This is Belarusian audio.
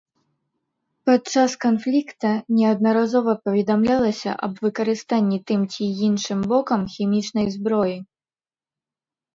Падчас канфлікта неаднаразова паведамлялася аб выкарыстанні тым ці іншым бокам хімічнай зброі.